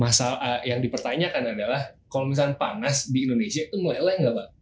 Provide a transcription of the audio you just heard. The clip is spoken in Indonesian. masalah yang dipertanyakan adalah kalau misalnya panas di indonesia itu meleleh nggak mbak